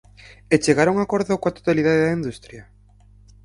¿E chegar a un acordo coa totalidade da industria?